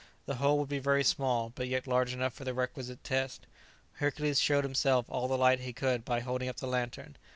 The hole would be very small, but yet large enough for the requisite test. Hercules showed him all the light he could by holding up the lantern.